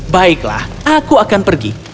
baiklah aku akan pergi